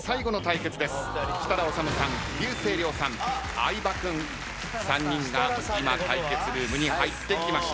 相葉君３人が今対決ルームに入ってきました。